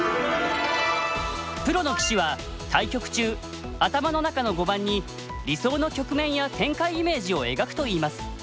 プロの棋士は対局中頭の中の碁盤に理想の局面や展開イメージを描くといいます。